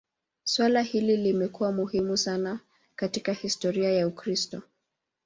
Suala hili limekuwa muhimu sana katika historia ya Ukristo.